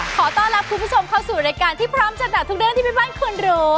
ขอต้อนรับคุณผู้ชมเข้าสู่รายการที่พร้อมจัดหนักทุกเรื่องที่แม่บ้านควรรู้